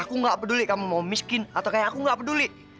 aku nggak peduli kamu mau miskin atau kaya aku nggak peduli